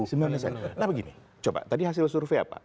nah begini coba tadi hasil survei apa